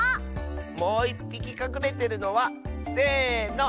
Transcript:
もういっぴきかくれてるのはせの。